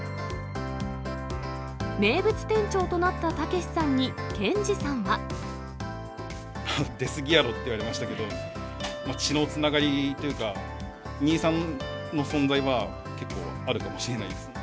名物店長となった剛さんに、健司さんは。出過ぎやろ！って言われましたけど、血のつながりというか、兄さんの存在は結構あるかもしれないですね。